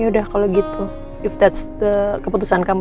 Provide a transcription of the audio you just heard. yaudah kalau gitu if that's keputusan kamu